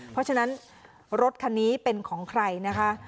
เพราะฉะนั้นรถคันนี้เป็นของใครนะคะ